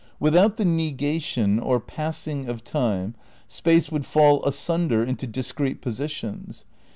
without the negation, or passing of time, space would fall asunder into discrete positions.